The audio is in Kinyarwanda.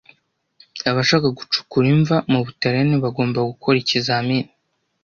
Abashaka gucukura imva mubutaliyani bagomba gukora ikizamin